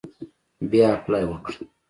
بیا اپلای وکړه.